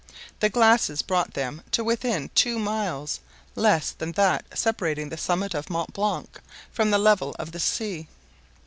The glasses brought them to within two miles, less than that separating the summit of Mont Blanc from the level of the sea.